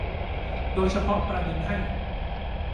โดยเฉพาะประเด็นให้